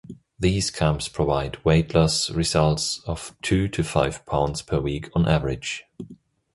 These camps provide weight-loss results of two to five pounds per week on average.